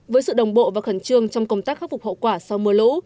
với sự đồng bộ và khẩn trương trong công tác khắc phục hậu quả sau mưa lũ